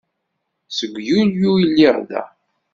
Seg Yulyu i lliɣ da.